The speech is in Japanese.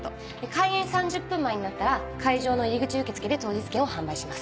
開演３０分前になったら会場の入り口受付で当日券を販売します。